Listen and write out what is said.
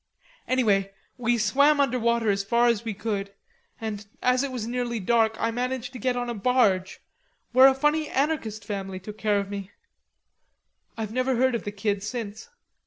Anyway, we swam under water as far as we could, and, as it was nearly dark, I managed to get on a barge, where a funny anarchist family took care of me. I've never heard of the Kid since.